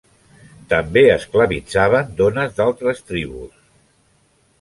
També esclavitzaven dones d'altres tribus.